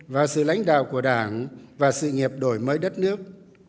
và sự lãnh đạo của đảng và sự nghiệp đổi mới đất nước